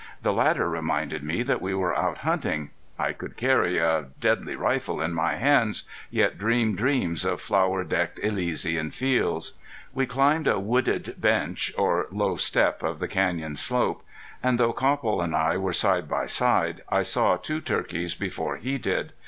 The latter reminded me that we were out hunting. I could carry a deadly rifle in my hands, yet dream dreams of flower decked Elysian fields. We climbed a wooded bench or low step of the canyon slope, and though Copple and I were side by side I saw two turkeys before he did.